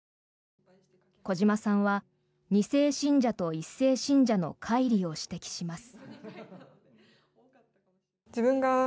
小嶌さんは２世信者と１世信者のかい離を指摘します。